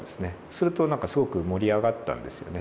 すると何かすごく盛り上がったんですよね。